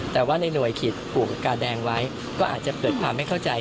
แต่ว่าในหน่วยขีดปลูกกาแดงไว้ก็อาจจะเกิดความไม่เข้าใจ